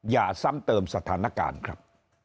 อย่าซ้ำเติมสถานการณ์ครับ